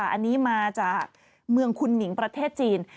อันนี้มาจากเมืองคุณหนิงประเทศจีน